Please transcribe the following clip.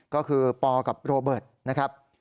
ก็คือปกับโรเบิร์ตนะครับ